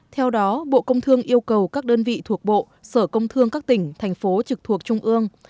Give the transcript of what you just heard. theo đó bộ công thương yêu cầu các đơn vị thuộc bộ sở công thương các tỉnh thành phố trực thuộc trung ương